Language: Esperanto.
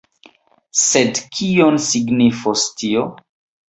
Sed kion signifos tio?